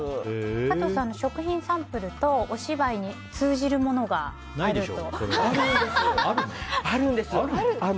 加藤さん、食品サンプルとお芝居に通じるものがあると。